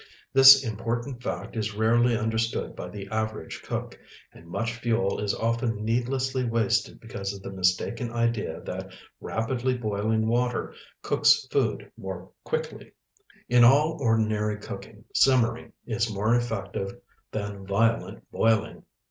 This important fact is rarely understood by the average cook, and much fuel is often needlessly wasted because of the mistaken idea that rapidly boiling water cooks food more quickly. In all ordinary cooking, simmering is more effective than violent boiling.